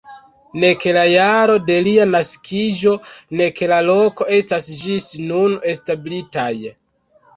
Nek la jaro de lia naskiĝo, nek la loko estas ĝis nun establitaj.